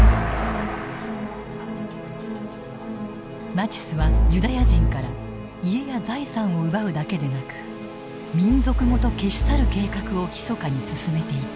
ナチスはユダヤ人から家や財産を奪うだけでなく民族ごと消し去る計画をひそかに進めていた。